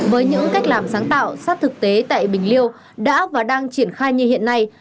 với những cách làm sáng tạo sát thực tế tại bình liêu đã và đang triển khai như hiện nay